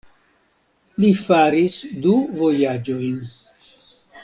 Li faris du vojaĝojn.